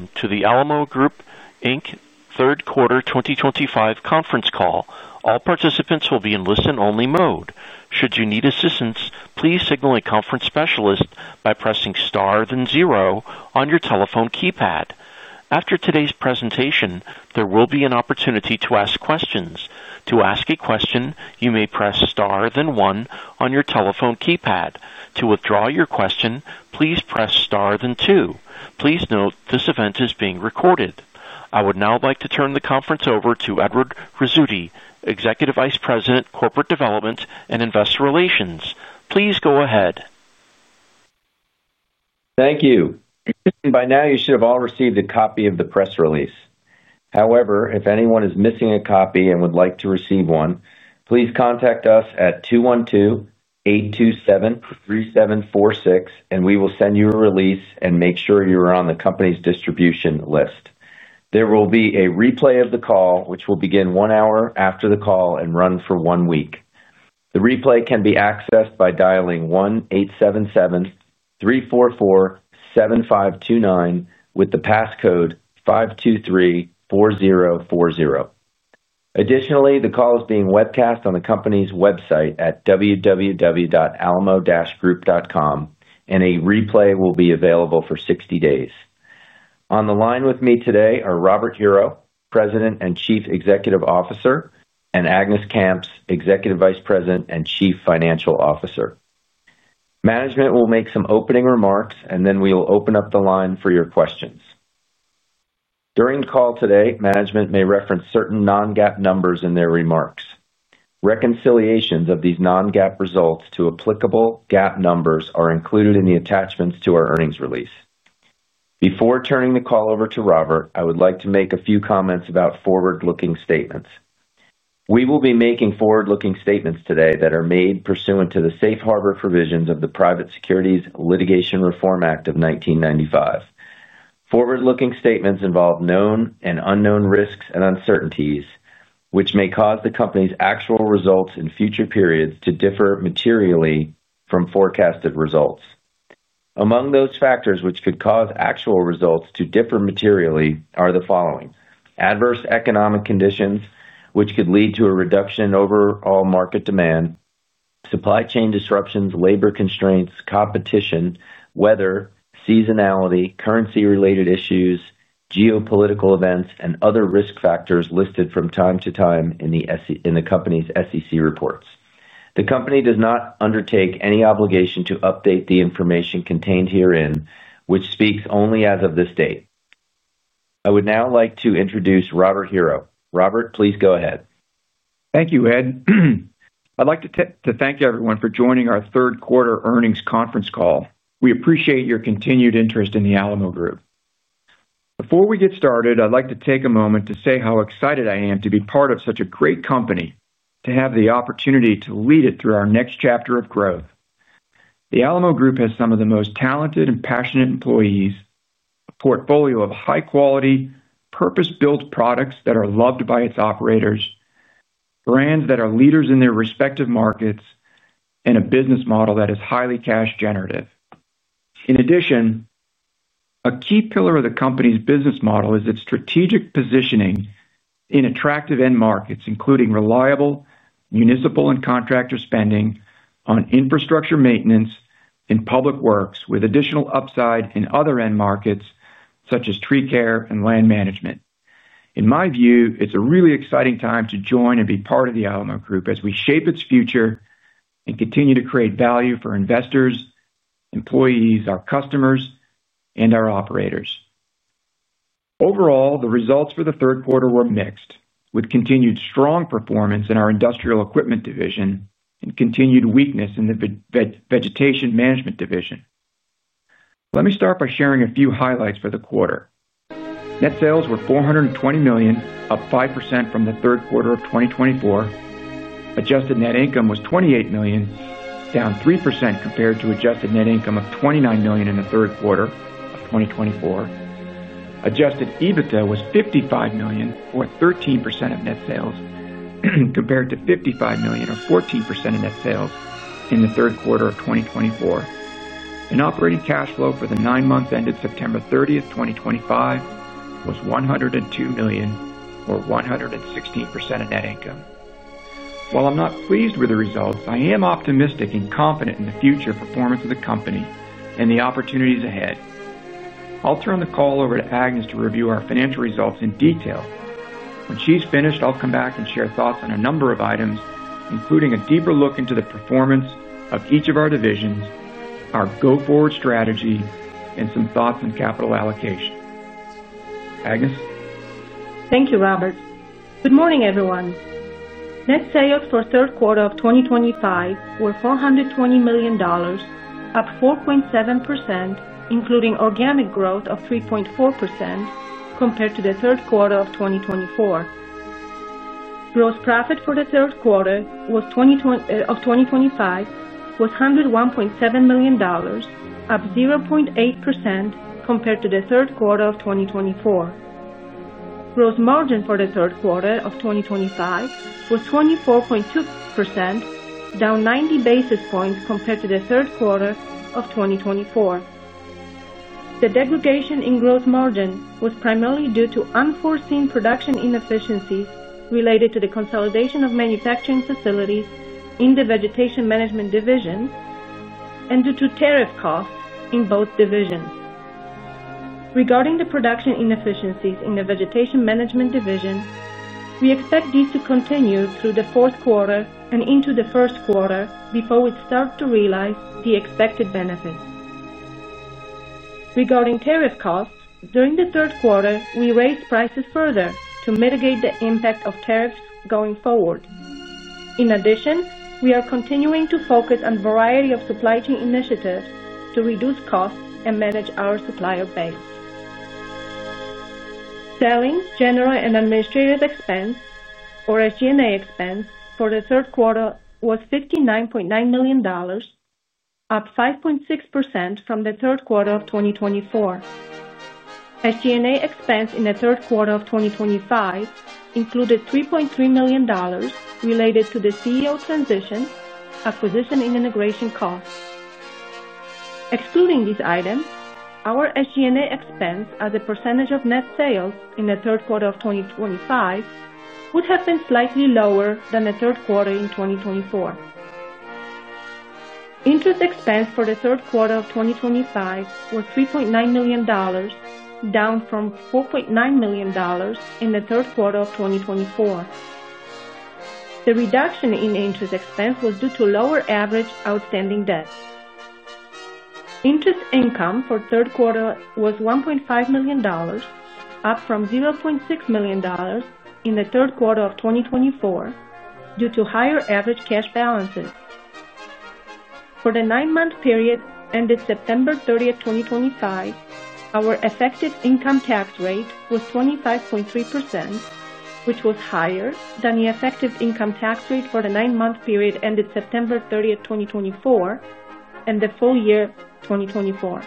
Welcome to the Alamo Group Third Quarter 2025 conference call. All participants will be in listen-only mode. Should you need assistance, please signal a conference specialist by pressing star then zero on your telephone keypad. After today's presentation, there will be an opportunity to ask questions. To ask a question, you may press star then one on your telephone keypad. To withdraw your question, please press star then two. Please note this event is being recorded. I would now like to turn the conference over to Edward Rizzuti, Executive Vice President, Corporate Development and Investor Relations. Please go ahead. Thank you. By now, you should have all received a copy of the press release. However, if anyone is missing a copy and would like to receive one, please contact us at 212-827-3746, and we will send you a release and make sure you are on the company's distribution list. There will be a replay of the call, which will begin one hour after the call and run for one week. The replay can be accessed by dialing 1-877-344-7529 with the passcode 5234040. Additionally, the call is being webcast on the company's website at www.alamogroup.com, and a replay will be available for 60 days. On the line with me today are Robert Hero, President and Chief Executive Officer, and Agnes Kamps, Executive Vice President and Chief Financial Officer. Management will make some opening remarks, and then we will open up the line for your questions. During the call today, management may reference certain non-GAAP numbers in their remarks. Reconciliations of these non-GAAP results to applicable GAAP numbers are included in the attachments to our earnings release. Before turning the call over to Robert, I would like to make a few comments about forward-looking statements. We will be making forward-looking statements today that are made pursuant to the safe harbor provisions of the Private Securities Litigation Reform Act of 1995. Forward-looking statements involve known and unknown risks and uncertainties, which may cause the company's actual results in future periods to differ materially from forecasted results. Among those factors which could cause actual results to differ materially are the following: adverse economic conditions, which could lead to a reduction in overall market demand, supply chain disruptions, labor constraints, competition, weather, seasonality, currency-related issues, geopolitical events, and other risk factors listed from time to time in the company's SEC reports. The company does not undertake any obligation to update the information contained herein, which speaks only as of this date. I would now like to introduce Robert Hero. Robert, please go ahead. Thank you, Ed. I'd like to thank everyone for joining our third quarter earnings conference call. We appreciate your continued interest in the Alamo Group. Before we get started, I'd like to take a moment to say how excited I am to be part of such a great company, to have the opportunity to lead it through our next chapter of growth. The Alamo Group has some of the most talented and passionate employees, a portfolio of high-quality, purpose-built products that are loved by its operators, brands that are leaders in their respective markets, and a business model that is highly cash-generative. In addition, a key pillar of the company's business model is its strategic positioning in attractive end markets, including reliable municipal and contractor spending on infrastructure maintenance and public works, with additional upside in other end markets such as tree care and land management. In my view, it's a really exciting time to join and be part of the Alamo Group as we shape its future and continue to create value for investors, employees, our customers, and our operators. Overall, the results for the third quarter were mixed, with continued strong performance in our Industrial Equipment Division and continued weakness in the Vegetation Management Division. Let me start by sharing a few highlights for the quarter. Net sales were $420 million, up 5% from the third quarter of 2024. Adjusted net income was $28 million, down 3% compared to adjusted net income of $29 million in the third quarter of 2024. Adjusted EBITDA was $55 million, or 13% of net sales, compared to $55 million, or 14% of net sales, in the third quarter of 2024. Operating cash flow for the nine months ended September 30, 2025, was $102 million, or 116% of net income. While I'm not pleased with the results, I am optimistic and confident in the future performance of the company and the opportunities ahead. I'll turn the call over to Agnes to review our financial results in detail. When she's finished, I'll come back and share thoughts on a number of items, including a deeper look into the performance of each of our divisions, our go-forward strategy, and some thoughts on capital allocation. Agnes? Thank you, Robert. Good morning, everyone. Net sales for Third Quarter of 2025 were $420 million, up 4.7%, including organic growth of 3.4% compared to the Third Quarter of 2024. Gross profit for the Third Quarter of 2025 was $101.7 million, up 0.8% compared to the Third Quarter of 2024. Gross margin for the Third Quarter of 2025 was 24.2%, down 90 basis points compared to the Third Quarter of 2024. The degradation in gross margin was primarily due to unforeseen production inefficiencies related to the consolidation of manufacturing facilities in the Vegetation Management Division and due to tariff costs in both divisions. Regarding the production inefficiencies in the Vegetation Management Division, we expect these to continue through the fourth quarter and into the first quarter before we start to realize the expected benefits. Regarding tariff costs, during the Third Quarter, we raised prices further to mitigate the impact of tariffs going forward. In addition, we are continuing to focus on a variety of supply chain initiatives to reduce costs and manage our supplier base. Selling, general, and administrative expense, or SG&A expense, for the Third Quarter was $59.9 million, up 5.6% from the Third Quarter of 2024. SG&A expense in the Third Quarter of 2025 included $3.3 million related to the CEO transition, acquisition, and integration costs. Excluding these items, our SG&A expense as a percentage of net sales in the Third Quarter of 2025 would have been slightly lower than the Third Quarter in 2024. Interest expense for the Third Quarter of 2025 was $3.9 million, down from $4.9 million in the Third Quarter of 2024. The reduction in interest expense was due to lower average outstanding debt. Interest income for Third Quarter was $1.5 million, up from $0.6 million in the Third Quarter of 2024 due to higher average cash balances. For the nine-month period ended September 30th, 2025, our effective income tax rate was 25.3%, which was higher than the effective income tax rate for the nine-month period ended September 30th, 2024, and the full year 2024.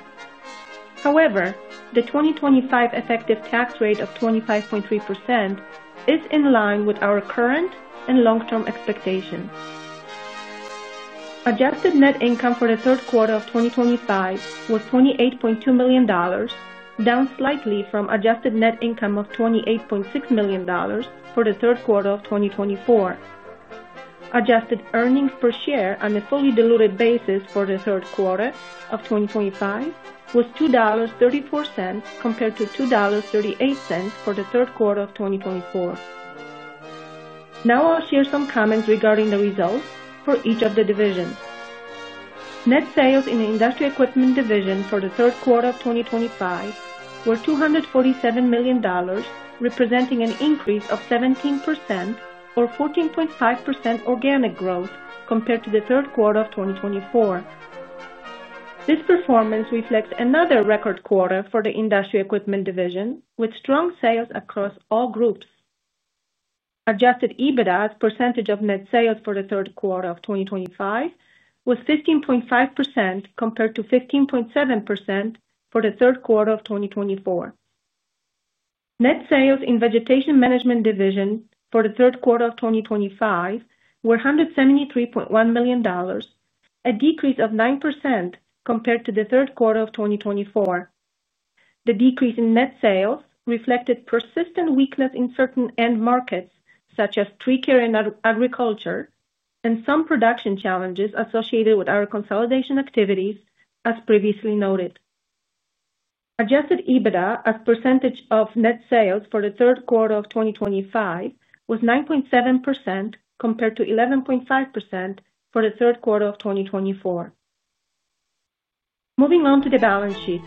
However, the 2025 effective tax rate of 25.3% is in line with our current and long-term expectations. Adjusted net income for the Third Quarter of 2025 was $28.2 million, down slightly from adjusted net income of $28.6 million for the Third Quarter of 2024. Adjusted earnings per share on a fully diluted basis for the Third Quarter of 2025 was $2.34 compared to $2.38 for the Third Quarter of 2024. Now I'll share some comments regarding the results for each of the divisions. Net sales in the Industrial Equipment Division for the third quarter of 2025 were $247 million, representing an increase of 17%, or 14.5% organic growth compared to the third quarter of 2024. This performance reflects another record quarter for the Industrial Equipment Division, with strong sales across all groups. Adjusted EBITDA as a percentage of net sales for the third quarter of 2025 was 15.5% compared to 15.7% for the third quarter of 2024. Net sales in the Vegetation Management Division for the third quarter of 2025 were $173.1 million, a decrease of 9% compared to the third quarter of 2024. The decrease in net sales reflected persistent weakness in certain end markets such as tree care and agriculture and some production challenges associated with our consolidation activities, as previously noted. Adjusted EBITDA as a percentage of net sales for the third quarter of 2025 was 9.7% compared to 11.5% for the third quarter of 2024. Moving on to the balance sheet,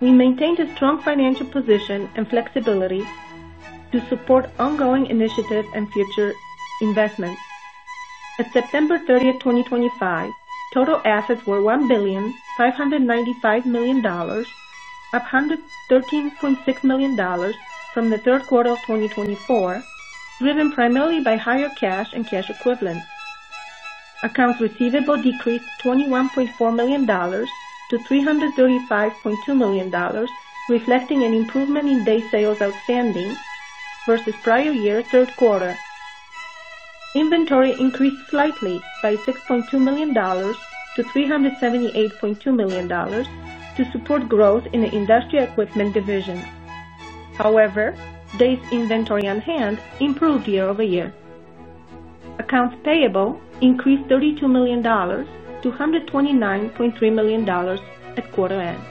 we maintained a strong financial position and flexibility to support ongoing initiatives and future investments. At September 30, 2025, total assets were $1,595 million, up $113.6 million from the third quarter of 2024, driven primarily by higher cash and cash equivalents. Accounts receivable decreased $21.4 million to $335.2 million, reflecting an improvement in day sales outstanding versus prior year third quarter. Inventory increased slightly by $6.2 million to $378.2 million to support growth in the Industrial Equipment Division. However, day's inventory on hand improved year-over-year. Accounts payable increased $32 million to $129.3 million at quarter end.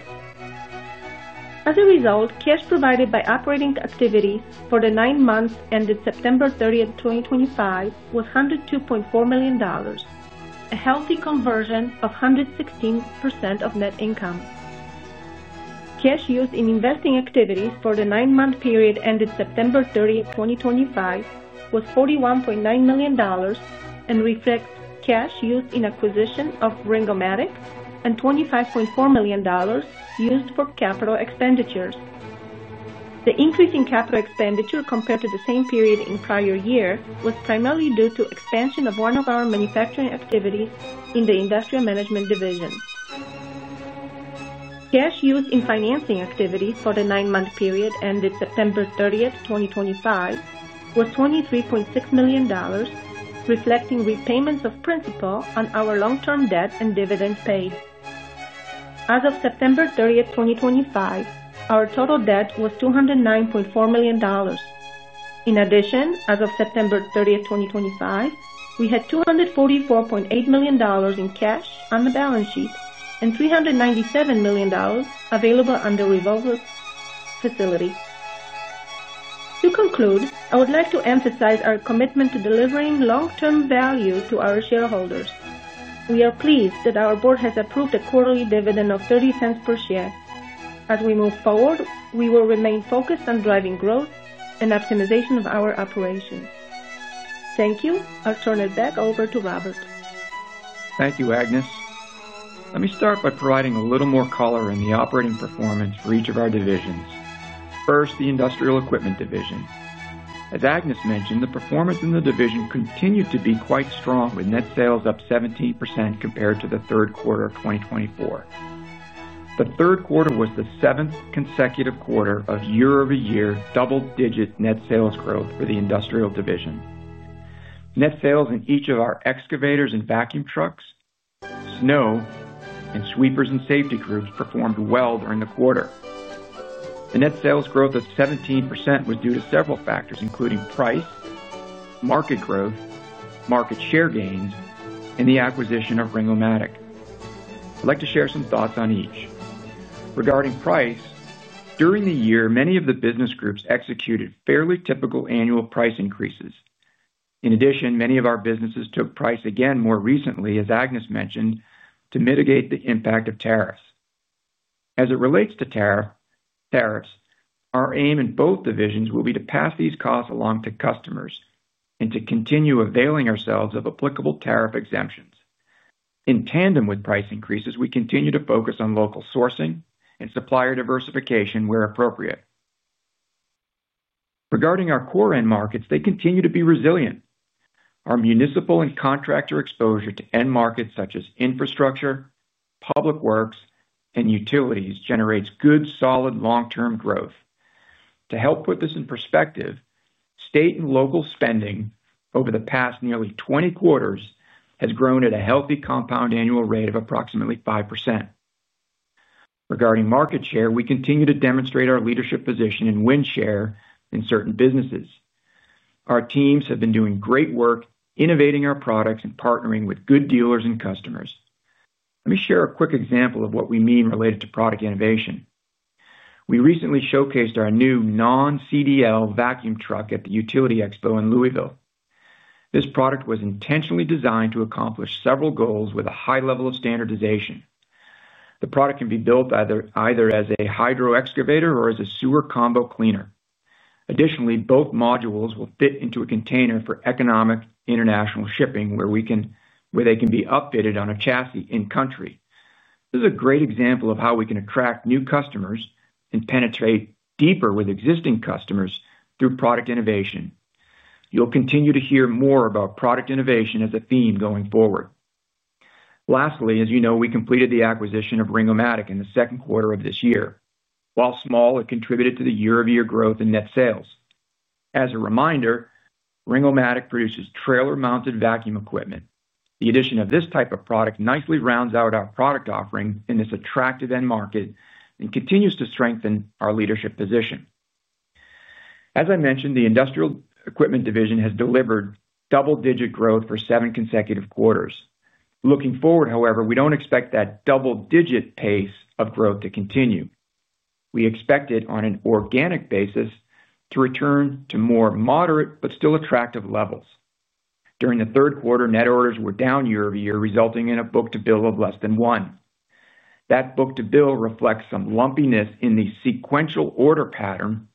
As a result, cash provided by operating activities for the nine months ended September 30, 2025, was $102.4 million, a healthy conversion of 116% of net income. Cash used in investing activities for the nine-month period ended September 30, 2025, was $41.9 million and reflects cash used in acquisition of Rengomatic and $25.4 million used for capital expenditures. The increase in capital expenditure compared to the same period in prior year was primarily due to expansion of one of our manufacturing activities in the Industrial Equipment Division. Cash used in financing activities for the nine-month period ended September 30, 2025, was $23.6 million, reflecting repayments of principal on our long-term debt and dividend paid. As of September 30, 2025, our total debt was $209.4 million. In addition, as of September 30, 2025, we had $244.8 million in cash on the balance sheet and $397 million available under revolving facility. To conclude, I would like to emphasize our commitment to delivering long-term value to our shareholders. We are pleased that our board has approved a quarterly dividend of $0.30 per share. As we move forward, we will remain focused on driving growth and optimization of our operations. Thank you. I'll turn it back over to Robert. Thank you, Agnes. Let me start by providing a little more color in the operating performance for each of our divisions. First, the Industrial Equipment Division. As Agnes mentioned, the performance in the division continued to be quite strong, with net sales up 17% compared to the third quarter of 2024. The third quarter was the seventh consecutive quarter of year-over-year double-digit net sales growth for the Industrial Division. Net sales in each of our excavators and vacuum trucks, snow, and sweepers and safety crews performed well during the quarter. The net sales growth of 17% was due to several factors, including price, market growth, market share gains, and the acquisition of Rengomatic. I'd like to share some thoughts on each. Regarding price, during the year, many of the business groups executed fairly typical annual price increases. In addition, many of our businesses took price again more recently, as Agnes mentioned, to mitigate the impact of tariffs. As it relates to tariffs, our aim in both divisions will be to pass these costs along to customers and to continue availing ourselves of applicable tariff exemptions. In tandem with price increases, we continue to focus on local sourcing and supplier diversification where appropriate. Regarding our core end markets, they continue to be resilient. Our municipal and contractor exposure to end markets such as infrastructure, public works, and utilities generates good, solid long-term growth. To help put this in perspective, state and local spending over the past nearly 20 quarters has grown at a healthy compound annual rate of approximately 5%. Regarding market share, we continue to demonstrate our leadership position in wind share in certain businesses. Our teams have been doing great work innovating our products and partnering with good dealers and customers. Let me share a quick example of what we mean related to product innovation. We recently showcased our new non-CDL vacuum truck at the Utility Expo in Louisville. This product was intentionally designed to accomplish several goals with a high level of standardization. The product can be built either as a hydro excavator or as a sewer combo cleaner. Additionally, both modules will fit into a container for economic international shipping where they can be upfitted on a chassis in-country. This is a great example of how we can attract new customers and penetrate deeper with existing customers through product innovation. You'll continue to hear more about product innovation as a theme going forward. Lastly, as you know, we completed the acquisition of Rengomatic in the second quarter of this year. While small, it contributed to the year-over-year growth in net sales. As a reminder, Rengomatic produces trailer-mounted vacuum equipment. The addition of this type of product nicely rounds out our product offering in this attractive end market and continues to strengthen our leadership position. As I mentioned, the Industrial Equipment Division has delivered double-digit growth for seven consecutive quarters. Looking forward, however, we do not expect that double-digit pace of growth to continue. We expect it on an organic basis to return to more moderate but still attractive levels. During the third quarter, net orders were down year-over-year, resulting in a book-to-bill of less than one. That book-to-bill reflects some lumpiness in the sequential order pattern,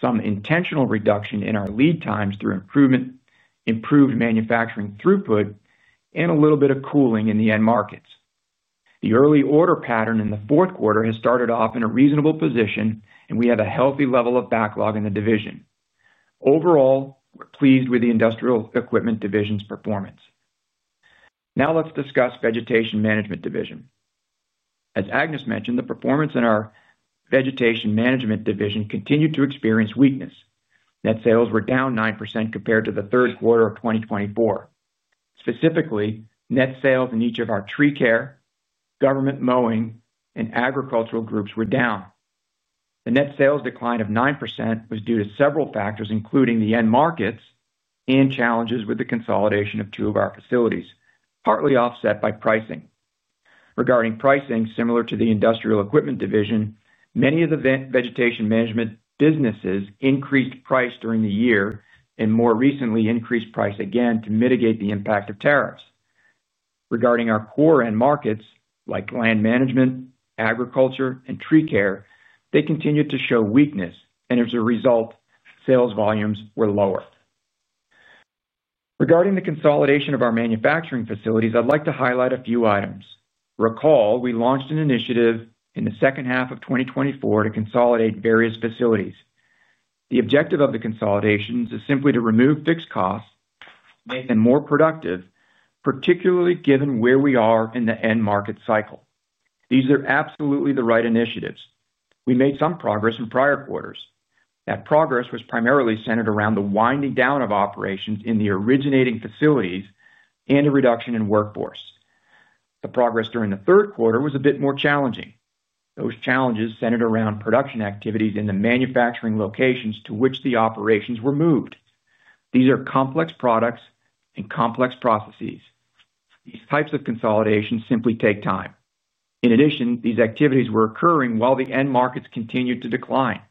some intentional reduction in our lead times through improved manufacturing throughput, and a little bit of cooling in the end markets. The early order pattern in the fourth quarter has started off in a reasonable position, and we have a healthy level of backlog in the division. Overall, we're pleased with the Industrial Equipment Division's performance. Now let's discuss the Vegetation Management Division. As Agnes mentioned, the performance in our Vegetation Management Division continued to experience weakness. Net sales were down 9% compared to the third quarter of 2024. Specifically, net sales in each of our tree care, government mowing, and agricultural groups were down. The net sales decline of 9% was due to several factors, including the end markets and challenges with the consolidation of two of our facilities, partly offset by pricing. Regarding pricing, similar to the Industrial Equipment Division, many of the Vegetation Management businesses increased price during the year and more recently increased price again to mitigate the impact of tariffs. Regarding our core end markets, like land management, agriculture, and tree care, they continued to show weakness, and as a result, sales volumes were lower. Regarding the consolidation of our manufacturing facilities, I'd like to highlight a few items. Recall, we launched an initiative in the second half of 2024 to consolidate various facilities. The objective of the consolidations is simply to remove fixed costs, make them more productive, particularly given where we are in the end market cycle. These are absolutely the right initiatives. We made some progress in prior quarters. That progress was primarily centered around the winding down of operations in the originating facilities and a reduction in workforce. The progress during the third quarter was a bit more challenging. Those challenges centered around production activities in the manufacturing locations to which the operations were moved. These are complex products and complex processes. These types of consolidations simply take time. In addition, these activities were occurring while the end markets continued to decline.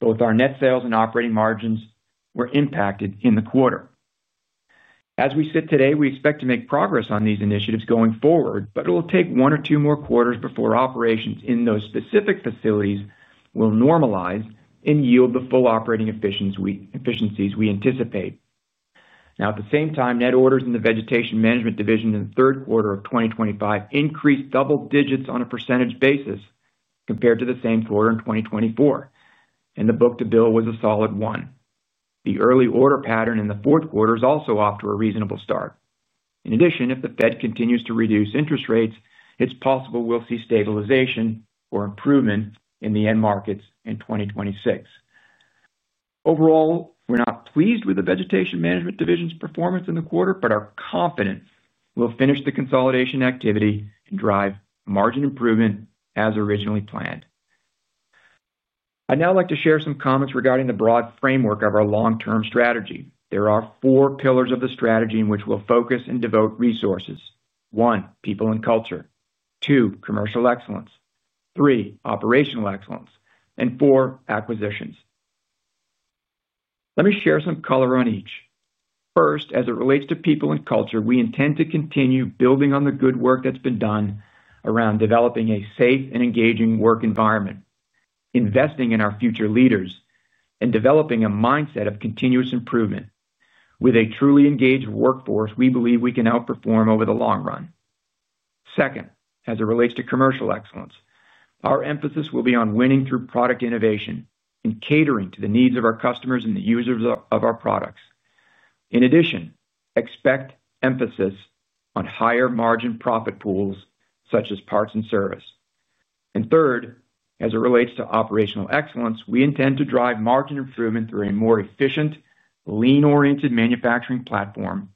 Both our net sales and operating margins were impacted in the quarter. As we sit today, we expect to make progress on these initiatives going forward, but it will take one or two more quarters before operations in those specific facilities will normalize and yield the full operating efficiencies we anticipate. Now, at the same time, net orders in the Vegetation Management Division in the third quarter of 2025 increased double digits on a percentage basis compared to the same quarter in 2024, and the book-to-bill was a solid one. The early order pattern in the fourth quarter is also off to a reasonable start. In addition, if the Fed continues to reduce interest rates, it's possible we'll see stabilization or improvement in the end markets in 2026. Overall, we're not pleased with the Vegetation Management Division's performance in the quarter, but are confident we'll finish the consolidation activity and drive margin improvement as originally planned. I'd now like to share some comments regarding the broad framework of our long-term strategy. There are four pillars of the strategy in which we'll focus and devote resources. One, people and culture. Two, commercial excellence. Three, operational excellence. Four, acquisitions. Let me share some color on each. First, as it relates to people and culture, we intend to continue building on the good work that's been done around developing a safe and engaging work environment, investing in our future leaders, and developing a mindset of continuous improvement. With a truly engaged workforce, we believe we can outperform over the long run. Second, as it relates to commercial excellence, our emphasis will be on winning through product innovation and catering to the needs of our customers and the users of our products. In addition, expect emphasis on higher margin profit pools such as parts and service. Third, as it relates to operational excellence, we intend to drive margin improvement through a more efficient, lean-oriented manufacturing platform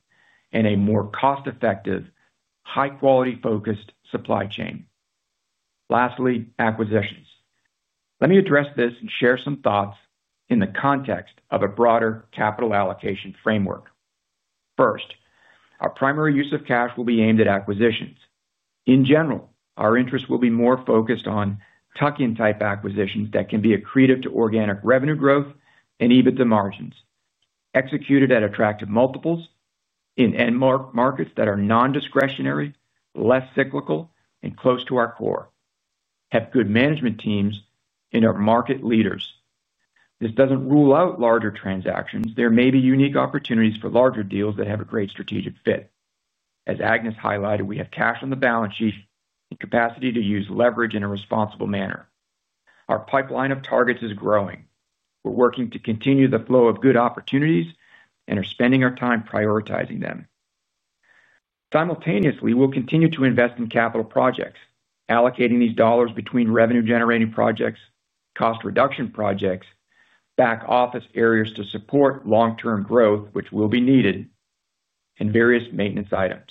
and a more cost-effective, high-quality-focused supply chain. Lastly, acquisitions. Let me address this and share some thoughts in the context of a broader capital allocation framework. First, our primary use of cash will be aimed at acquisitions. In general, our interest will be more focused on tuck-in-type acquisitions that can be accretive to organic revenue growth and even to margins, executed at attractive multiples in end markets that are non-discretionary, less cyclical, and close to our core, have good management teams and are market leaders. This does not rule out larger transactions. There may be unique opportunities for larger deals that have a great strategic fit. As Agnes highlighted, we have cash on the balance sheet and capacity to use leverage in a responsible manner. Our pipeline of targets is growing. We are working to continue the flow of good opportunities and are spending our time prioritizing them. Simultaneously, we will continue to invest in capital projects, allocating these dollars between revenue-generating projects, cost-reduction projects, back-office areas to support long-term growth, which will be needed, and various maintenance items.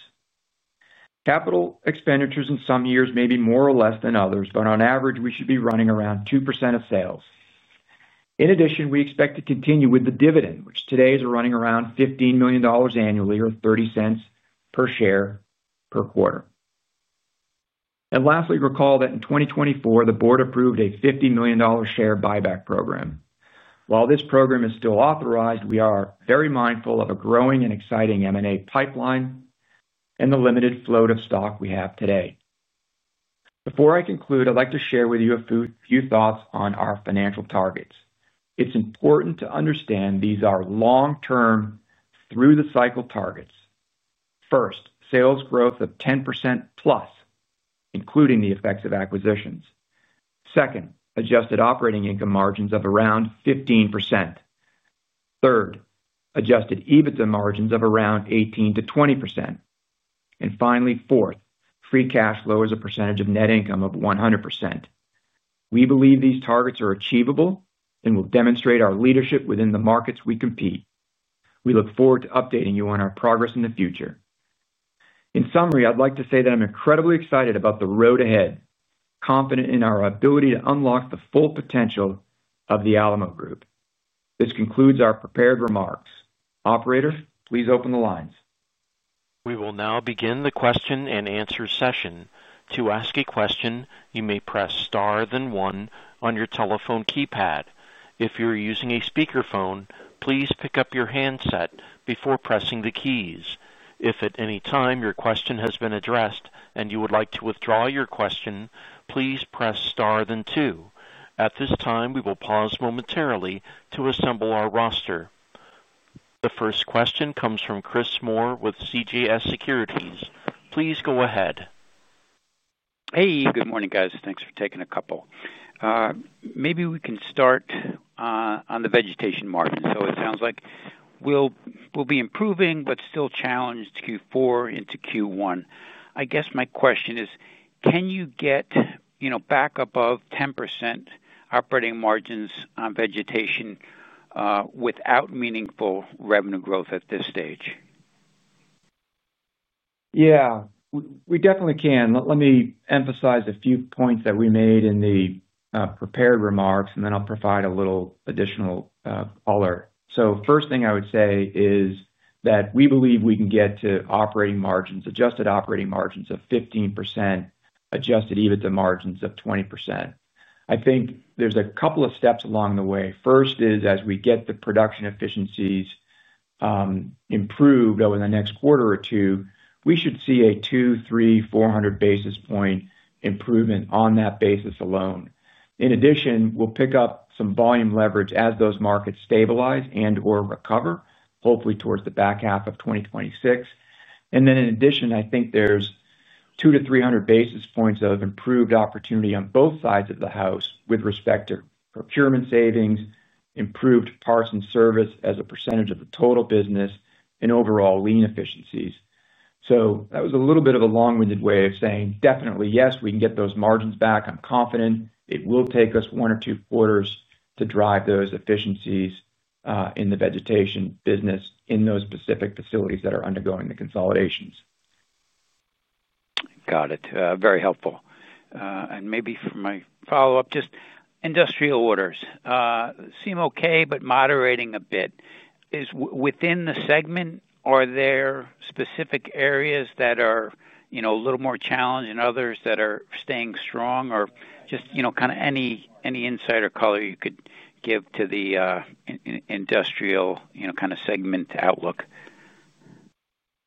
Capital expenditures in some years may be more or less than others, but on average, we should be running around 2% of sales. In addition, we expect to continue with the dividend, which today is running around $15 million annually or $0.30 per share per quarter. Lastly, recall that in 2024, the board approved a $50 million share buyback program. While this program is still authorized, we are very mindful of a growing and exciting M&A pipeline and the limited float of stock we have today. Before I conclude, I'd like to share with you a few thoughts on our financial targets. It's important to understand these are long-term through-the-cycle targets. First, sales growth of 10%+, including the effects of acquisitions. Second, adjusted operating income margins of around 15%. Third, Adjusted EBITDA margins of around 18%-20%. Finally, fourth, free cash flow as a percentage of net income of 100%. We believe these targets are achievable and will demonstrate our leadership within the markets we compete. We look forward to updating you on our progress in the future. In summary, I'd like to say that I'm incredibly excited about the road ahead, confident in our ability to unlock the full potential of the Alamo Group. This concludes our prepared remarks. Operator, please open the lines. We will now begin the question-and-answer session. To ask a question, you may press star then one on your telephone keypad. If you're using a speakerphone, please pick up your handset before pressing the keys. If at any time your question has been addressed and you would like to withdraw your question, please press star then two. At this time, we will pause momentarily to assemble our roster. The first question comes from Chris Moore with CJS Securities. Please go ahead. Hey, good morning, guys. Thanks for taking a couple. Maybe we can start on the vegetation market. So it sounds like we'll be improving, but still challenged Q4 into Q1. I guess my question is, can you get back above 10% operating margins on vegetation without meaningful revenue growth at this stage? Yeah, we definitely can. Let me emphasize a few points that we made in the prepared remarks, and then I'll provide a little additional color. First thing I would say is that we believe we can get to operating margins, adjusted operating margins of 15%, Adjusted EBITDA margins of 20%. I think there's a couple of steps along the way. First is, as we get the production efficiencies improved over the next quarter or two, we should see a 2, 3, 400 basis point improvement on that basis alone. In addition, we'll pick up some volume leverage as those markets stabilize and/or recover, hopefully towards the back half of 2026. In addition, I think there is 200-300 basis points of improved opportunity on both sides of the house with respect to procurement savings, improved parts and service as a percentage of the total business, and overall lean efficiencies. That was a little bit of a long-winded way of saying, definitely, yes, we can get those margins back. I am confident it will take us one or two quarters to drive those efficiencies in the vegetation business in those specific facilities that are undergoing the consolidations. Got it. Very helpful. Maybe for my follow-up, just industrial orders. Seem okay, but moderating a bit. Within the segment, are there specific areas that are a little more challenged and others that are staying strong? Any insight or color you could give to the industrial segment outlook.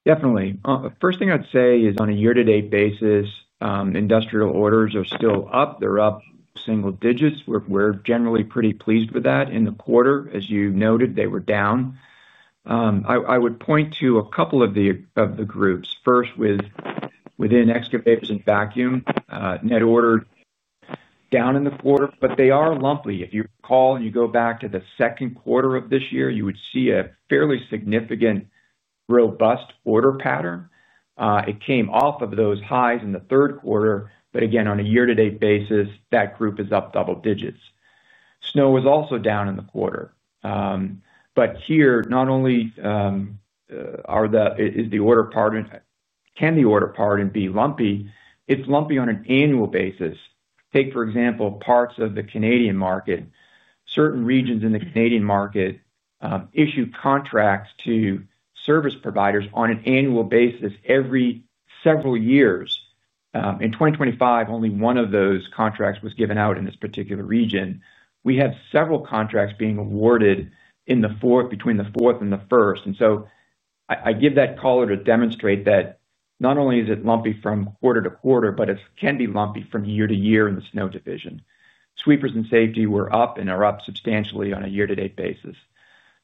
Definitely. First thing I'd say is, on a year-to-date basis, industrial orders are still up. They're up single digits. We're generally pretty pleased with that. In the quarter, as you noted, they were down. I would point to a couple of the groups. First, within excavators and vacuum, net orders down in the quarter, but they are lumpy. If you recall, you go back to the second quarter of this year, you would see a fairly significant, robust order pattern. It came off of those highs in the third quarter, but again, on a year-to-date basis, that group is up double digits. Snow is also down in the quarter. Here, not only can the order part be lumpy, it's lumpy on an annual basis. Take, for example, parts of the Canadian market. Certain regions in the Canadian market issue contracts to service providers on an annual basis every several years. In 2025, only one of those contracts was given out in this particular region. We have several contracts being awarded between the fourth and the first. I give that color to demonstrate that not only is it lumpy from quarter to quarter, but it can be lumpy from year to year in the snow division. Sweepers and safety were up and are up substantially on a year-to-date basis.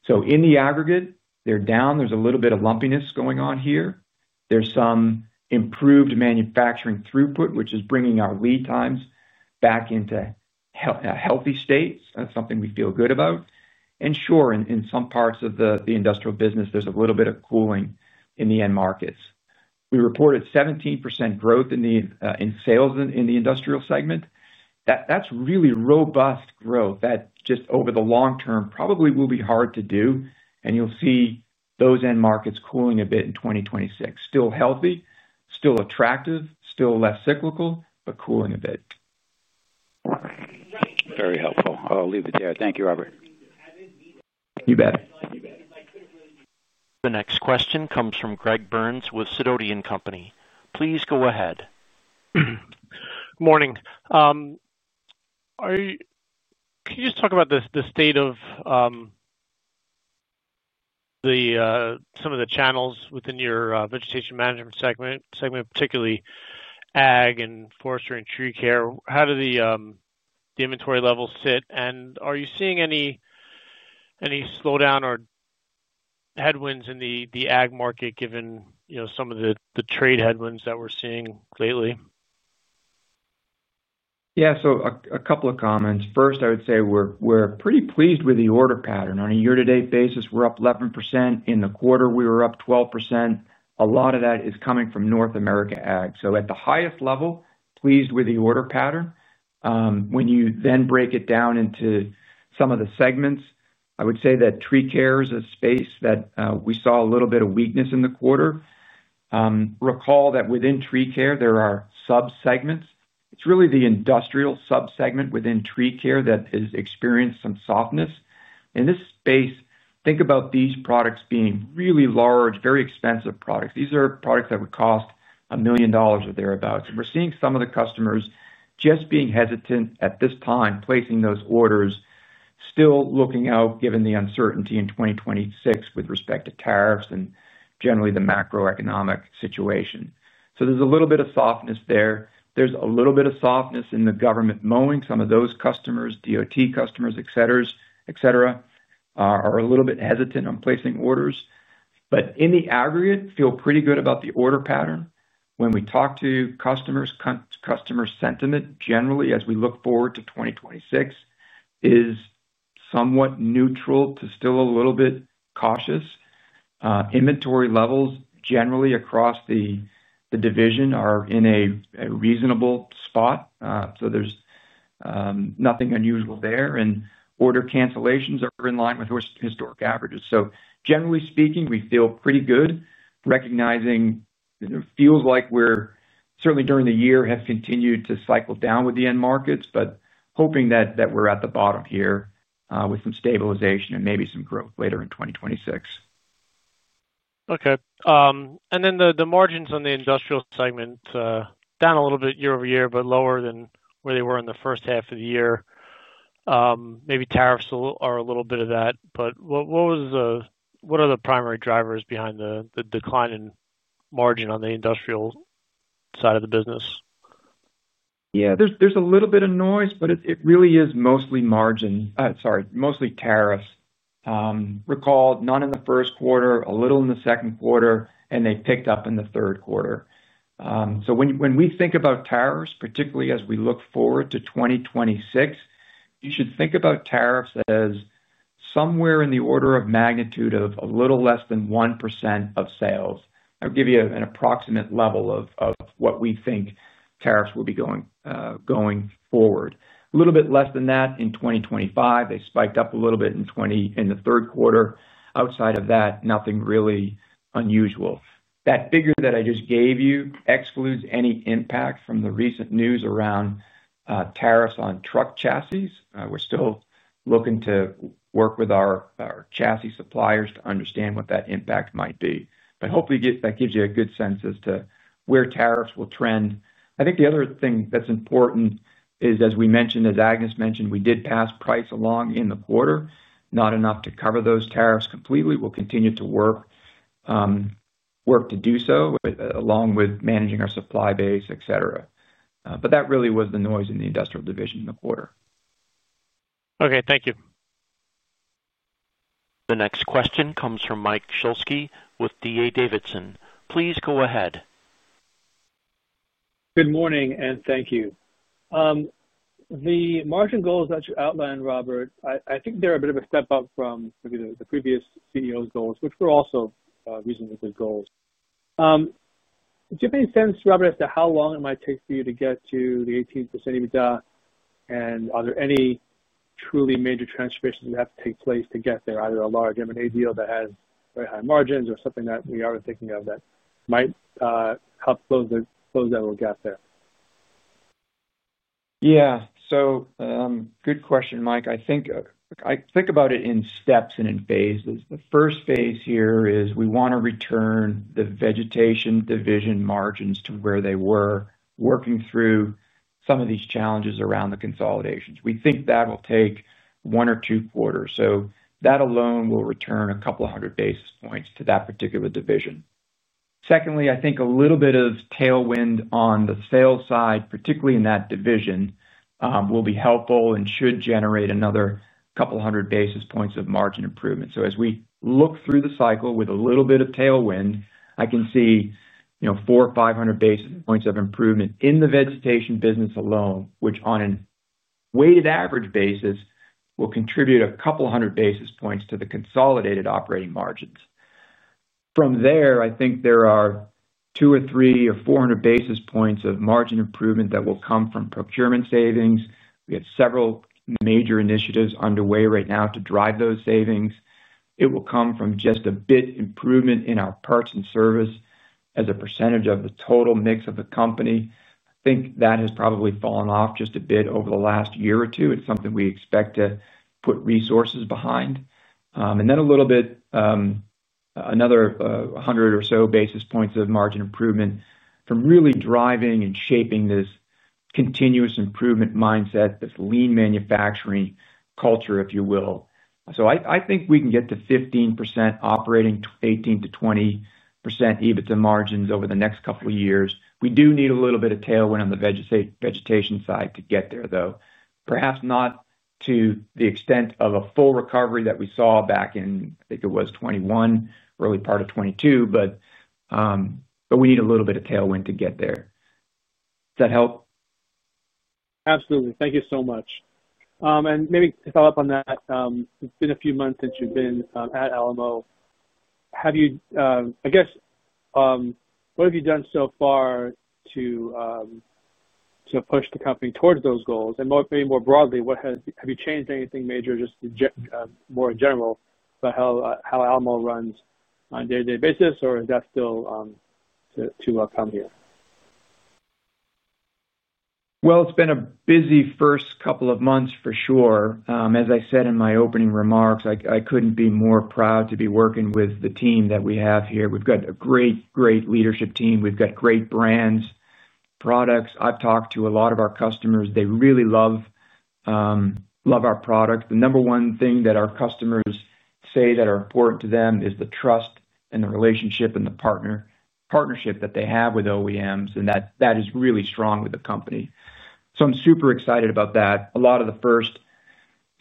In the aggregate, they're down. There's a little bit of lumpiness going on here. There's some improved manufacturing throughput, which is bringing our lead times back into healthy states. That's something we feel good about. In some parts of the industrial business, there's a little bit of cooling in the end markets. We reported 17% growth in sales in the industrial segment. That's really robust growth that just over the long term probably will be hard to do. You'll see those end markets cooling a bit in 2026. Still healthy, still attractive, still less cyclical, but cooling a bit. Very helpful. I'll leave it there. Thank you, Robert. You bet. The next question comes from Greg Burns with Sidoti & Company. Please go ahead. Good morning. Can you just talk about the state of some of the channels within your vegetation management segment, particularly ag and forestry and tree care? How do the inventory levels sit? Are you seeing any slowdown or headwinds in the ag market given some of the trade headwinds that we're seeing lately? Yeah, so a couple of comments. First, I would say we're pretty pleased with the order pattern. On a year-to-date basis, we're up 11%. In the quarter, we were up 12%. A lot of that is coming from North America ag. At the highest level, pleased with the order pattern. When you then break it down into some of the segments, I would say that tree care is a space that we saw a little bit of weakness in the quarter. Recall that within tree care, there are subsegments. It's really the industrial subsegment within tree care that has experienced some softness. In this space, think about these products being really large, very expensive products. These are products that would cost a million dollars or thereabouts. We're seeing some of the customers just being hesitant at this time, placing those orders, still looking out given the uncertainty in 2026 with respect to tariffs and generally the macroeconomic situation. There's a little bit of softness there. There's a little bit of softness in the government mowing. Some of those customers, DOT customers, etc., are a little bit hesitant on placing orders. In the aggregate, feel pretty good about the order pattern. When we talk to customers, customer sentiment generally, as we look forward to 2026, is somewhat neutral to still a little bit cautious. Inventory levels generally across the division are in a reasonable spot. There's nothing unusual there. Order cancellations are in line with historic averages. Generally speaking, we feel pretty good, recognizing it feels like we're certainly during the year have continued to cycle down with the end markets, but hoping that we're at the bottom here with some stabilization and maybe some growth later in 2026. Okay. The margins on the industrial segment are down a little bit year-over-year, but lower than where they were in the first half of the year. Maybe tariffs are a little bit of that. What are the primary drivers behind the decline in margin on the industrial side of the business? Yeah, there is a little bit of noise, but it really is mostly margin. Sorry, mostly tariffs. Recall, none in the first quarter, a little in the second quarter, and they picked up in the third quarter. When we think about tariffs, particularly as we look forward to 2026, you should think about tariffs as somewhere in the order of magnitude of a little less than 1% of sales. I will give you an approximate level of what we think tariffs will be going forward. A little bit less than that in 2025. They spiked up a little bit in the third quarter. Outside of that, nothing really unusual. That figure that I just gave you excludes any impact from the recent news around tariffs on truck chassis. We're still looking to work with our chassis suppliers to understand what that impact might be. Hopefully, that gives you a good sense as to where tariffs will trend. I think the other thing that's important is, as we mentioned, as Agnes mentioned, we did pass price along in the quarter, not enough to cover those tariffs completely. We'll continue to work to do so along with managing our supply base, etc. That really was the noise in the industrial division in the quarter. Okay, thank you. The next question comes from Mike Shlisky with D.A. Davidson. Please go ahead. Good morning, and thank you. The margin goals that you outlined, Robert, I think they're a bit of a step up from maybe the previous CEO's goals, which were also reasonably good goals. Do you have any sense, Robert, as to how long it might take for you to get to the 18% EBITDA? And are there any truly major transformations that have to take place to get there, either a large M&A deal that has very high margins or something that we are thinking of that might help close that little gap there? Yeah. Good question, Mike. I think about it in steps and in phases. The first phase here is we want to return the vegetation division margins to where they were, working through some of these challenges around the consolidations. We think that will take one or two quarters. That alone will return a couple of hundred basis points to that particular division. Secondly, I think a little bit of tailwind on the sales side, particularly in that division, will be helpful and should generate another couple of hundred basis points of margin improvement. As we look through the cycle with a little bit of tailwind, I can see 400-500 basis points of improvement in the vegetation business alone, which on a weighted average basis will contribute a couple of hundred basis points to the consolidated operating margins. From there, I think there are 200-300 or 400 basis points of margin improvement that will come from procurement savings. We have several major initiatives underway right now to drive those savings. It will come from just a bit improvement in our parts and service as a percentage of the total mix of the company. I think that has probably fallen off just a bit over the last year or two. It is something we expect to put resources behind. Then a little bit, another 100 or so basis points of margin improvement from really driving and shaping this continuous improvement mindset, this lean manufacturing culture, if you will. I think we can get to 15% operating, 18%-20% EBITDA margins over the next couple of years. We do need a little bit of tailwind on the vegetation side to get there, though. Perhaps not to the extent of a full recovery that we saw back in, I think it was 2021, early part of 2022, but we need a little bit of tailwind to get there. Does that help? Absolutely. Thank you so much. Maybe to follow up on that, it has been a few months since you have been at Alamo. I guess, what have you done so far to push the company towards those goals? And maybe more broadly, have you changed anything major, just more in general, about how Alamo runs on a day-to-day basis, or is that still to come here? It has been a busy first couple of months, for sure. As I said in my opening remarks, I could not be more proud to be working with the team that we have here. We have got a great, great leadership team. We have got great brands, products. I have talked to a lot of our customers. They really love our product. The number one thing that our customers say that is important to them is the trust and the relationship and the partnership that they have with OEMs, and that is really strong with the company. I am super excited about that. A lot of the first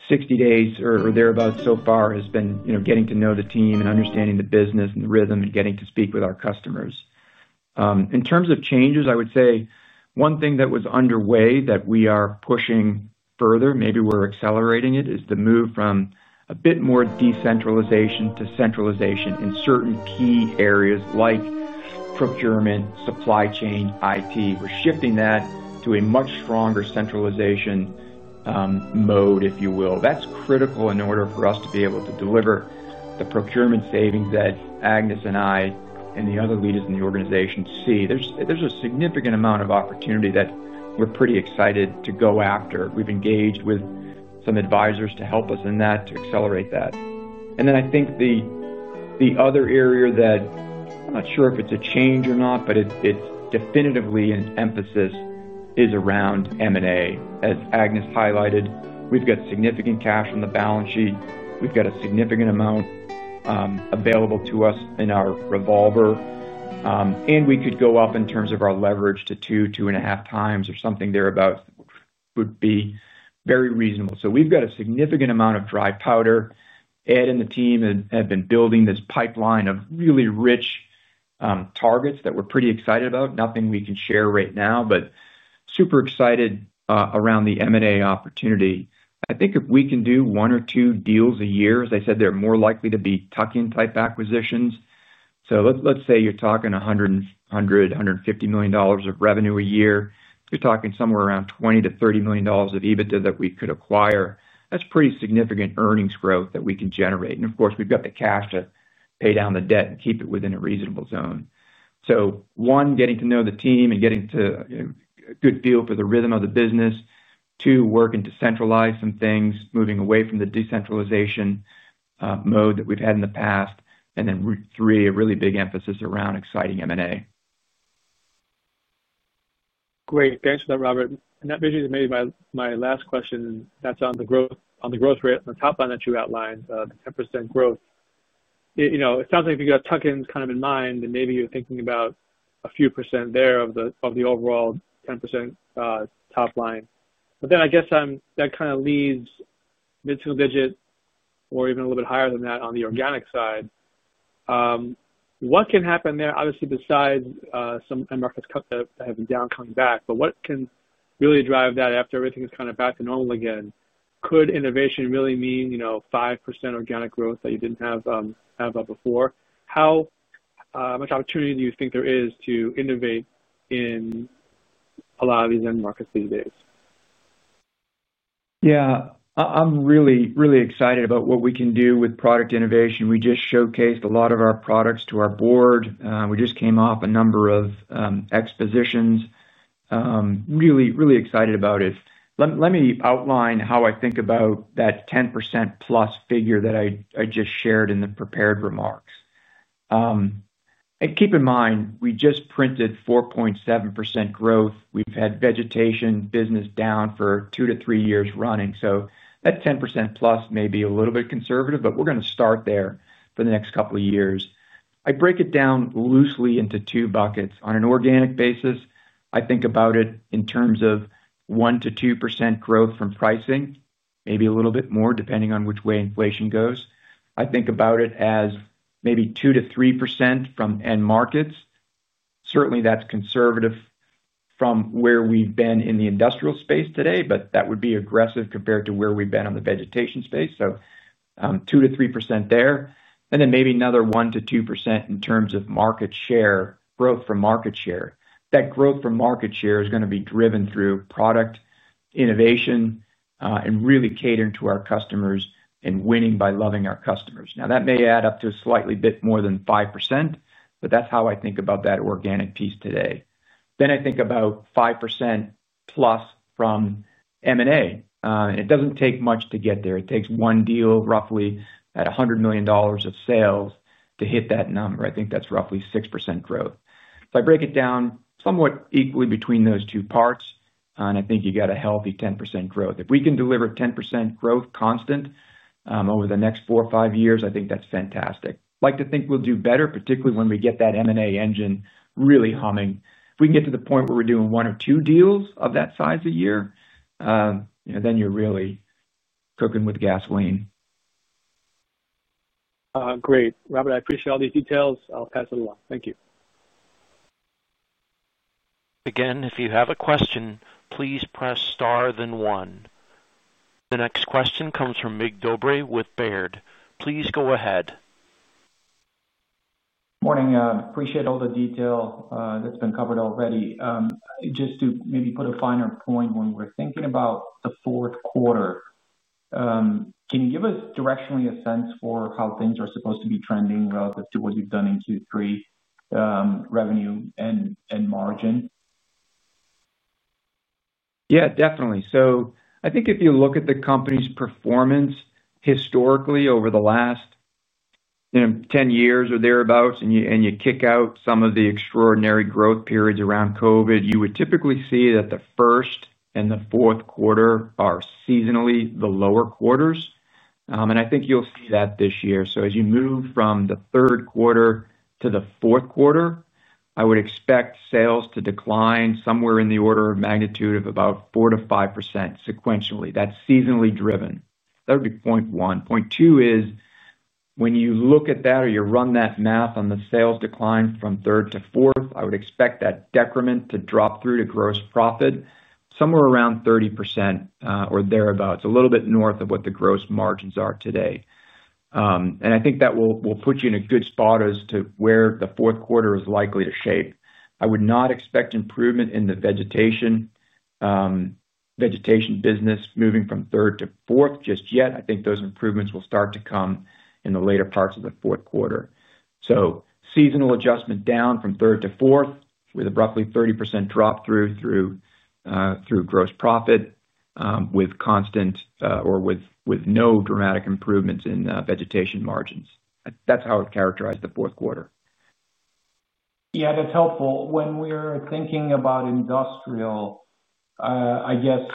60 days or thereabouts so far has been getting to know the team and understanding the business and the rhythm and getting to speak with our customers. In terms of changes, I would say one thing that was underway that we are pushing further, maybe we're accelerating it, is the move from a bit more decentralization to centralization in certain key areas like procurement, supply chain, IT. We're shifting that to a much stronger centralization mode, if you will. That's critical in order for us to be able to deliver the procurement savings that Agnes and I and the other leaders in the organization see. There's a significant amount of opportunity that we're pretty excited to go after. We've engaged with some advisors to help us in that, to accelerate that. I think the other area that I'm not sure if it's a change or not, but it's definitely an emphasis is around M&A. As Agnes highlighted, we've got significant cash on the balance sheet. We've got a significant amount available to us in our revolver. We could go up in terms of our leverage to two, two and a half times or something thereabouts would be very reasonable. We've got a significant amount of dry powder. Ed and the team have been building this pipeline of really rich targets that we're pretty excited about. Nothing we can share right now, but super excited around the M&A opportunity. I think if we can do one or two deals a year, as I said, they're more likely to be tuck-in type acquisitions. Let's say you're talking $100 million-$150 million of revenue a year. You're talking somewhere around $20 million-$30 million of EBITDA that we could acquire. That's pretty significant earnings growth that we can generate. Of course, we've got the cash to pay down the debt and keep it within a reasonable zone. One, getting to know the team and getting a good feel for the rhythm of the business. Two, working to centralize some things, moving away from the decentralization mode that we've had in the past. Three, a really big emphasis around exciting M&A. Great. Thanks for that, Robert. That really is maybe my last question. That's on the growth rate on the top line that you outlined, the 10% growth. It sounds like if you got tuck-ins kind of in mind, then maybe you're thinking about a few percent there of the overall 10% top line. But then I guess that kind of leads mid-to-digit or even a little bit higher than that on the organic side. What can happen there, obviously, besides some Americas that have been down coming back, but what can really drive that after everything is kind of back to normal again? Could innovation really mean 5% organic growth that you did not have before? How much opportunity do you think there is to innovate in a lot of these end markets these days? Yeah. I am really, really excited about what we can do with product innovation. We just showcased a lot of our products to our board. We just came off a number of expositions. Really, really excited about it. Let me outline how I think about that 10%+ figure that I just shared in the prepared remarks. Keep in mind, we just printed 4.7% growth. We've had vegetation business down for two to three years running. That 10%+ may be a little bit conservative, but we're going to start there for the next couple of years. I break it down loosely into two buckets. On an organic basis, I think about it in terms of 1%-2% growth from pricing, maybe a little bit more depending on which way inflation goes. I think about it as maybe 2%-3% from end markets. Certainly, that's conservative from where we've been in the industrial space today, but that would be aggressive compared to where we've been on the vegetation space. 2%-3% there. Then maybe another 1%-2% in terms of market share growth from market share. That growth from market share is going to be driven through product innovation and really catering to our customers and winning by loving our customers. Now, that may add up to a slightly bit more than 5%, but that's how I think about that organic piece today. Then I think about 5% + from M&A. It doesn't take much to get there. It takes one deal roughly at $100 million of sales to hit that number. I think that's roughly 6% growth. If I break it down somewhat equally between those two parts, and I think you got a healthy 10% growth. If we can deliver 10% growth constant over the next four or five years, I think that's fantastic. I'd like to think we'll do better, particularly when we get that M&A engine really humming. If we can get to the point where we're doing one or two deals of that size a year, then you're really cooking with gasoline. Great. Robert, I appreciate all these details. I'll pass it along. Thank you. Again, if you have a question, please press star then one. The next question comes from Mircea Dobre with Baird. Please go ahead. Morning. Appreciate all the detail that's been covered already. Just to maybe put a finer point, when we're thinking about the fourth quarter, can you give us directionally a sense for how things are supposed to be trending relative to what you've done in Q3 revenue and margin? Yeah, definitely. I think if you look at the company's performance historically over the last 10 years or thereabouts, and you kick out some of the extraordinary growth periods around COVID, you would typically see that the first and the fourth quarter are seasonally the lower quarters. I think you'll see that this year. As you move from the third quarter to the fourth quarter, I would expect sales to decline somewhere in the order of magnitude of about 4%-5% sequentially. That's seasonally driven. That would be point one. Point two is when you look at that or you run that math on the sales decline from third to fourth, I would expect that decrement to drop through to gross profit somewhere around 30% or thereabouts, a little bit north of what the gross margins are today. I think that will put you in a good spot as to where the fourth quarter is likely to shape. I would not expect improvement in the vegetation business moving from third to fourth just yet. I think those improvements will start to come in the later parts of the fourth quarter. Seasonal adjustment down from third to fourth with a roughly 30% drop through gross profit with constant or with no dramatic improvements in vegetation margins. That is how I would characterize the fourth quarter. Yeah, that is helpful. When we are thinking about industrial, I guess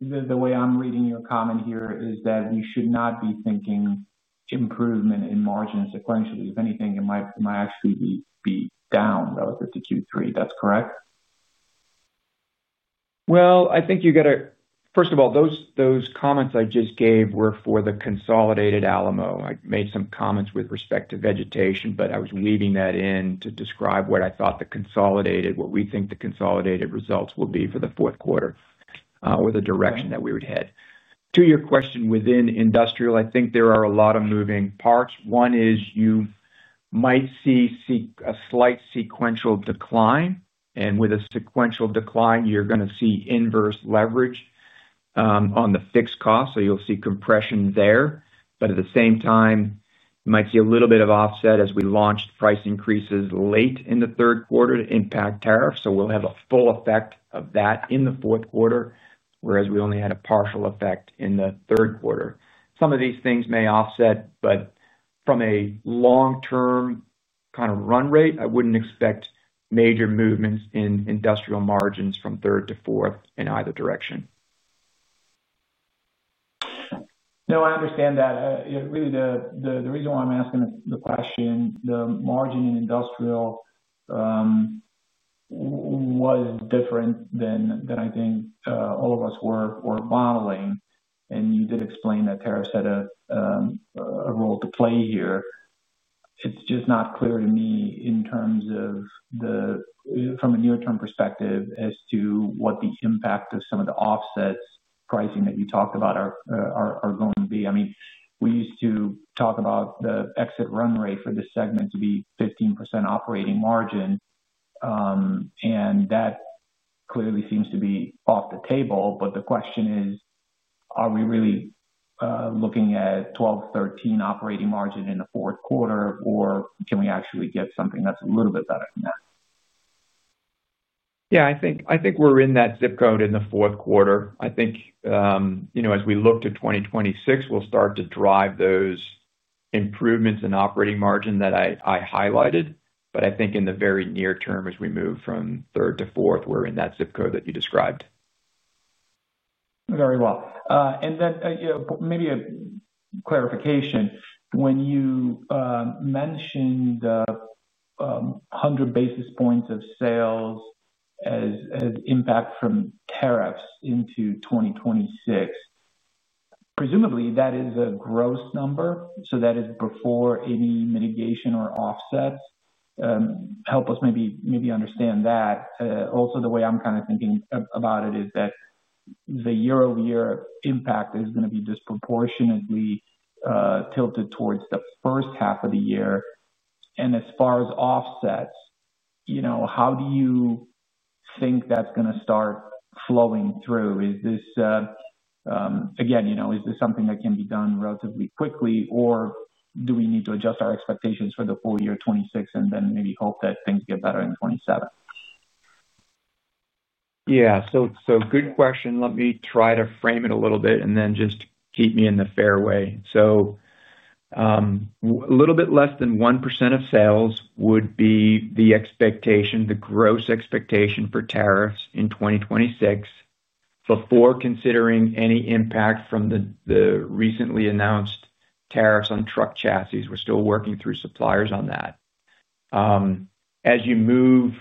the way I am reading your comment here is that we should not be thinking improvement in margins sequentially. If anything, it might actually be down relative to Q3. That is correct? I think you got to, first of all, those comments I just gave were for the consolidated Alamo. I made some comments with respect to vegetation, but I was weaving that in to describe what I thought the consolidated, what we think the consolidated results will be for the fourth quarter with a direction that we would head. To your question within industrial, I think there are a lot of moving parts. One is you might see a slight sequential decline. With a sequential decline, you're going to see inverse leverage on the fixed cost. You will see compression there. At the same time, you might see a little bit of offset as we launched price increases late in the third quarter to impact tariffs. We will have a full effect of that in the fourth quarter, whereas we only had a partial effect in the third quarter. Some of these things may offset, but from a long-term kind of run rate, I would not expect major movements in industrial margins from third to fourth in either direction. No, I understand that. Really, the reason why I am asking the question, the margin in industrial was different than I think all of us were modeling. And you did explain that tariffs had a role to play here. It is just not clear to me in terms of the, from a near-term perspective, as to what the impact of some of the offsets pricing that you talked about are going to be. I mean, we used to talk about the exit run rate for the segment to be 15% operating margin. And that clearly seems to be off the table. The question is, are we really looking at 12%, 13% operating margin in the fourth quarter, or can we actually get something that's a little bit better than that? Yeah, I think we're in that zip code in the fourth quarter. I think as we look to 2026, we'll start to drive those improvements in operating margin that I highlighted. I think in the very near term, as we move from third to fourth, we're in that zip code that you described. Very well. Maybe a clarification. When you mentioned 100 basis points of sales as impact from tariffs into 2026, presumably that is a gross number. That is before any mitigation or offsets. Help us maybe understand that. Also, the way I'm kind of thinking about it is that the year-over-year impact is going to be disproportionately tilted towards the first half of the year. As far as offsets, how do you think that's going to start flowing through? Again, is this something that can be done relatively quickly, or do we need to adjust our expectations for the full year 2026 and then maybe hope that things get better in 2027? Yeah. Good question. Let me try to frame it a little bit and then just keep me in the fairway. A little bit less than 1% of sales would be the expectation, the gross expectation for tariffs in 2026 before considering any impact from the recently announced tariffs on truck chassis. We're still working through suppliers on that. As you move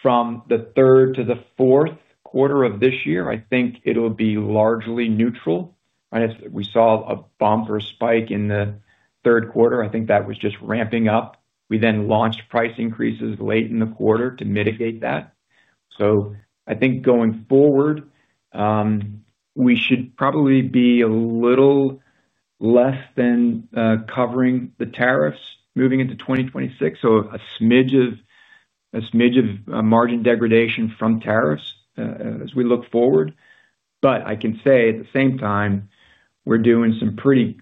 from the third to the fourth quarter of this year, I think it'll be largely neutral. We saw a bump or a spike in the third quarter. I think that was just ramping up. We then launched price increases late in the quarter to mitigate that. I think going forward, we should probably be a little less than covering the tariffs moving into 2026. A smidge of margin degradation from tariffs as we look forward. I can say at the same time, we're doing some pretty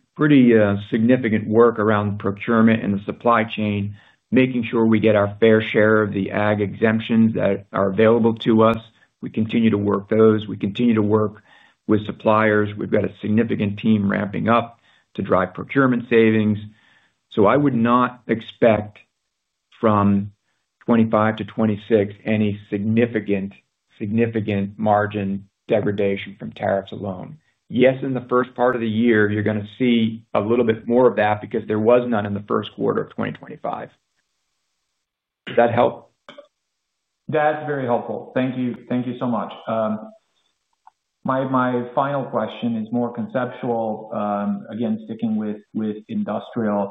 significant work around procurement and the supply chain, making sure we get our fair share of the ag exemptions that are available to us. We continue to work those. We continue to work with suppliers. We've got a significant team ramping up to drive procurement savings. So I would not expect from 2025 to 2026 any significant margin degradation from tariffs alone. Yes, in the first part of the year, you're going to see a little bit more of that because there was none in the first quarter of 2025. Does that help? That's very helpful. Thank you so much. My final question is more conceptual, again, sticking with industrial.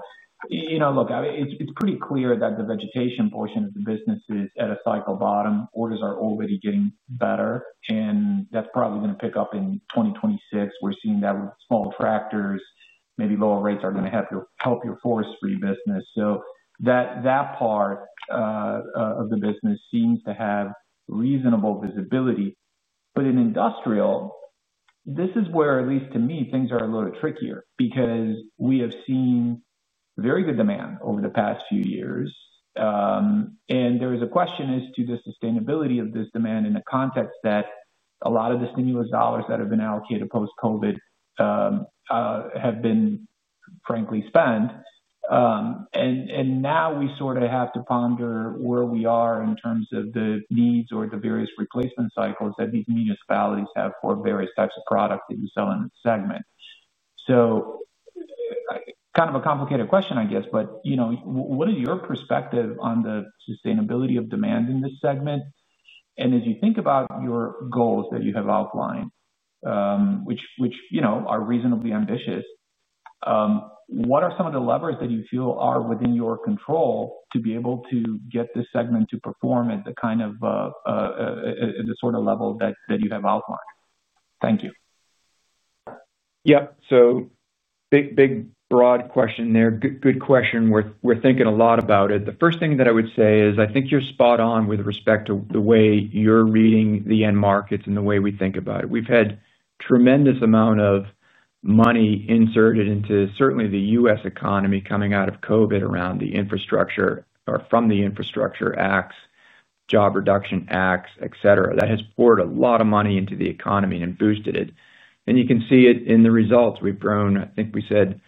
Look, it's pretty clear that the vegetation portion of the business is at a cycle bottom. Orders are already getting better, and that's probably going to pick up in 2026. We're seeing that with small tractors. Maybe lower rates are going to help your forestry business. So that part of the business seems to have reasonable visibility. But in industrial, this is where, at least to me, things are a little trickier because we have seen very good demand over the past few years. There is a question as to the sustainability of this demand in the context that a lot of the stimulus dollars that have been allocated post-COVID have been frankly spent. Now we sort of have to ponder where we are in terms of the needs or the various replacement cycles that these municipalities have for various types of products that you sell in the segment. Kind of a complicated question, I guess, but what is your perspective on the sustainability of demand in this segment? As you think about your goals that you have outlined, which are reasonably ambitious, what are some of the levers that you feel are within your control to be able to get this segment to perform at the kind of the sort of level that you have outlined? Thank you. Yep. Big, broad question there. Good question. We're thinking a lot about it. The first thing that I would say is I think you're spot on with respect to the way you're reading the end markets and the way we think about it. We've had a tremendous amount of money inserted into certainly the U.S. economy coming out of COVID around the infrastructure or from the infrastructure acts, job reduction acts, etc. That has poured a lot of money into the economy and boosted it. You can see it in the results. We've grown, I think we said,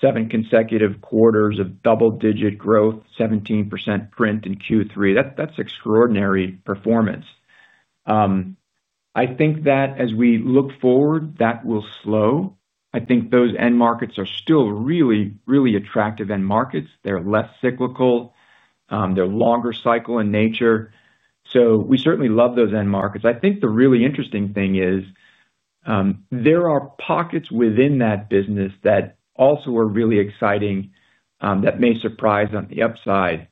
seven consecutive quarters of double-digit growth, 17% print in Q3. That's extraordinary performance. I think that as we look forward, that will slow. I think those end markets are still really, really attractive end markets. They're less cyclical. They're longer cycle in nature. We certainly love those end markets. I think the really interesting thing is there are pockets within that business that also are really exciting that may surprise on the upside.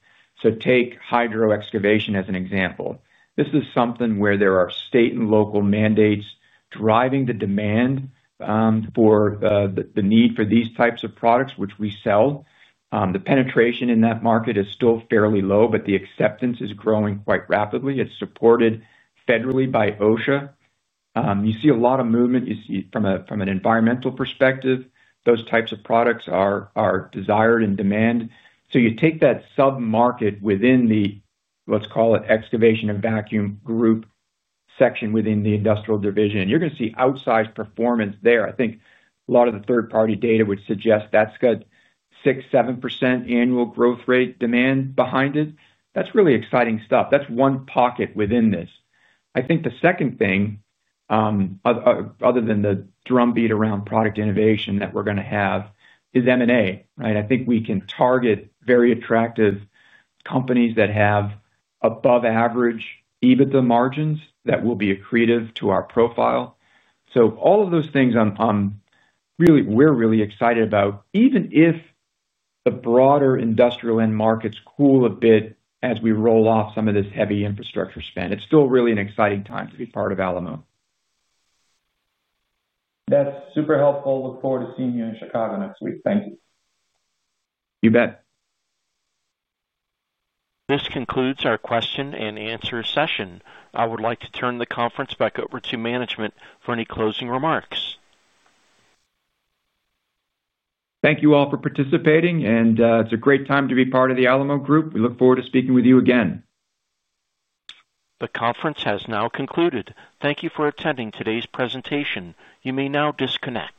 Take hydro excavator as an example. This is something where there are state and local mandates driving the demand for the need for these types of products, which we sell. The penetration in that market is still fairly low, but the acceptance is growing quite rapidly. It is supported federally by OSHA. You see a lot of movement from an environmental perspective. Those types of products are desired in demand. You take that sub-market within the, let's call it, excavation and vacuum group section within the industrial division, you are going to see outsized performance there. I think a lot of the third-party data would suggest that has got 6%-7% annual growth rate demand behind it. That is really exciting stuff. That is one pocket within this. I think the second thing, other than the drumbeat around product innovation that we're going to have, is M&A, right? I think we can target very attractive companies that have above-average EBITDA margins that will be accretive to our profile. So all of those things we're really excited about, even if the broader industrial end markets cool a bit as we roll off some of this heavy infrastructure spend. It's still really an exciting time to be part of Alamo. That's super helpful. Look forward to seeing you in Chicago next week. Thank you. You bet. This concludes our question-and-answer session. I would like to turn the conference back over to management for any closing remarks. Thank you all for participating, and it's a great time to be part of the Alamo Group. We look forward to speaking with you again. The conference has now concluded. Thank you for attending today's presentation. You may now disconnect.